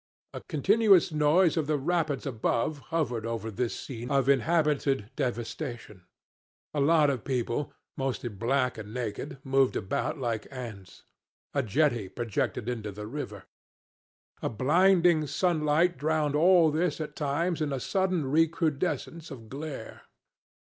A continuous noise of the rapids above hovered over this scene of inhabited devastation. A lot of people, mostly black and naked, moved about like ants. A jetty projected into the river. A blinding sunlight drowned all this at times in a sudden recrudescence of glare.